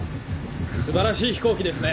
素晴らしい飛行機ですね。